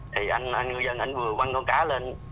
thì anh ngư dân vừa quăng con cá lên